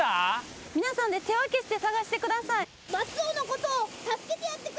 皆さんで手分けして探してください。